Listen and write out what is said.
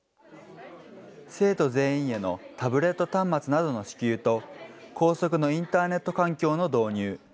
生徒全員へのタブレット端末などの支給と、高速のインターネット環境の導入。